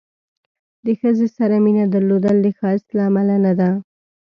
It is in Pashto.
د ښځې سره مینه درلودل د ښایست له امله نه ده.